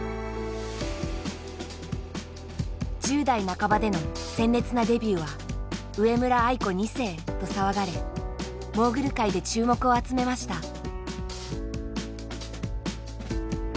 １０代半ばでの鮮烈なデビューは「上村愛子２世」と騒がれモーグル界で注目を集めました。